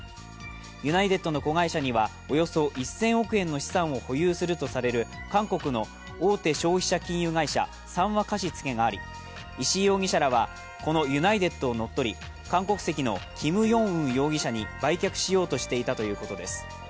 ユナイテッドの子会社にはおよそ１０００億円の資産を保有するとされる韓国の大手消費者金融会社、三和貸付があり、石井容疑者らは、このユナイテッドを乗っ取り韓国籍のキム・ヨンウン容疑者に売却しようとしていたということです。